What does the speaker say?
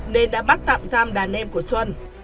nên đã bắt tạm giam đàn em của xuân